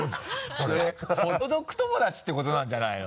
それホットドッグ友達ってことなんじゃないの？